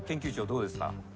どうですか？